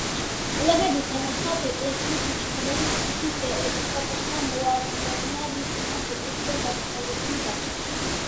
ლეგენდის თანახმად, ეკლესიის მშენებელი მცხეთის ეპისკოპოსმა მოაკვლევინა, რის გამოც ეკლესია დაუმთავრებელი დარჩა.